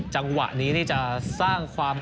จังหวะนี้นี่จะสร้างความ